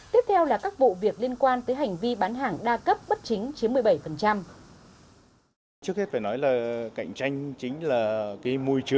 tiếp theo là các vụ việc liên quan tới hành vi bán hàng đa cấp bất chính chiếm một mươi bảy